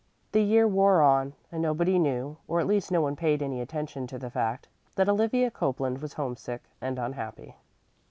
The year wore on, and nobody knew, or at least no one paid any attention to the fact, that Olivia Copeland was homesick and unhappy.